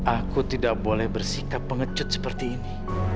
aku tidak boleh bersikap pengecut seperti ini